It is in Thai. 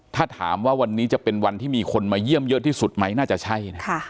ถ้าถามว่าวันนี้จะเป็นวันที่มีคนมาเยี่ยมเยอะที่สุดไหมน่าจะใช่นะ